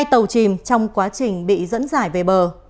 hai tàu chìm trong quá trình bị dẫn giải về bờ